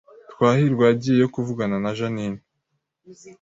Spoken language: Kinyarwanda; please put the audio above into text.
Twahirwa yagiyeyo kuvugana na Jeaninne